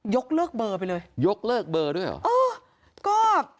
ยกเลิกเบอร์ไปเลยยกเลิกเบอร์ด้วยเหรอ